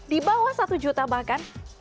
di bawah satu juta bahkan